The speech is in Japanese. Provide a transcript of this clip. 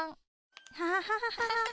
アハハハハ。